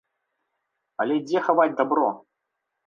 Але дзе хаваць дабро?